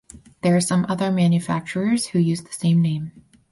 There are some other manufacturers who uses the same name.